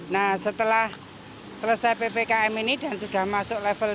nah setelah selesai ppkm ini dan sudah masuk level tiga